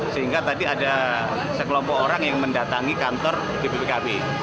sehingga tadi ada sekelompok orang yang mendatangi kantor dppkb